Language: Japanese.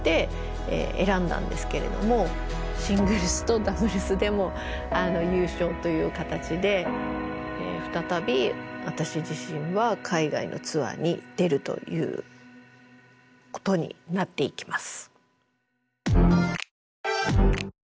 シングルスとダブルスでも優勝という形で再び私自身は海外のツアーに出るということになっていきます。